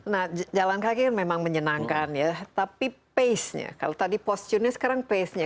nah jalan kaki memang menyenangkan ya tapi pacenya kalau tadi posisinya sekarang pacenya